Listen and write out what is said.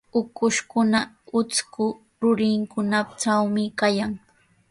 Ukushkuna utrku rurinkunatrawmi kawan.